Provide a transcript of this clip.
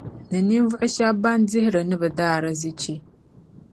Ni ninvuɣu shεba ban dihiri ni bɛ daarzichi.